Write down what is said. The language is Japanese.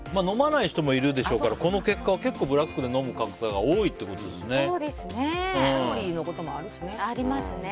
飲まない人もいるでしょうからこの結果は結構、ブラックで飲む方が多いということですね。